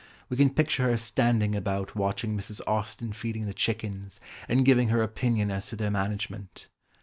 We can picture her standing about watching Mrs. Austen feeding the chickens, and giving her opinion as to their management.